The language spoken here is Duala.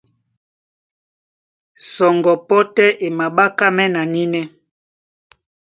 Sɔŋgɔ pɔ́ tɛ́ e maɓákámɛ́ na nínɛ́.